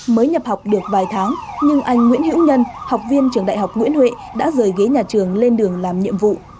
mới nhập học được vài tháng nhưng anh nguyễn hữu nhân học viên trường đại học nguyễn huệ đã rời ghế nhà trường lên đường làm nhiệm vụ